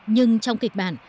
nhưng trong kịch bản